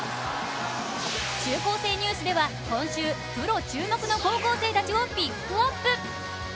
「中高生ニュース」では今週、プロ注目の中高生たちをピックアップ。